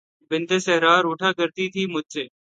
بنت صحرا روٹھا کرتی تھی مجھ سے